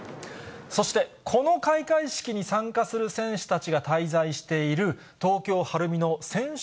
そしてこの開会式に参加する選手たちが滞在している東京・晴海の選手